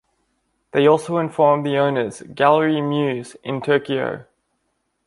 They also informed the owners, "Gallery Muse" in Tokyo.